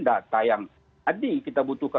data yang tadi kita butuhkan